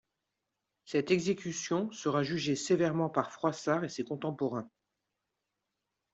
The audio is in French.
Cette exécution sera jugée sévèrement par Froissart et ses contemporains.